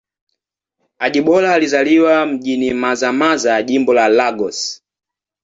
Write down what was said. Ajibola alizaliwa mjini Mazamaza, Jimbo la Lagos.